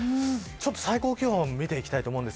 最高気温を見ていきます。